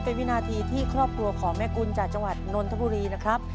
เป็นวินาทีที่ครอบครัวของแม่กุลจากจังหวัดนนทบุรีนะครับ